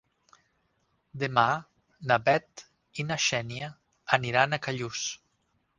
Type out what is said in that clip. Demà na Bet i na Xènia aniran a Callús.